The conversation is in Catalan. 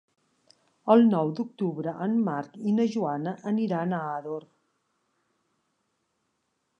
El nou d'octubre en Marc i na Joana aniran a Ador.